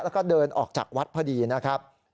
แล้วก็เดินออกจากวัดพอดีนะครับ